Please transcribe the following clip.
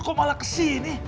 kok malah kesini